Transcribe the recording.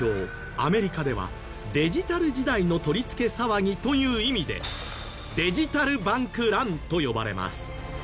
アメリカでは「デジタル時代の取り付け騒ぎ」という意味で「デジタル・バンク・ラン」と呼ばれます。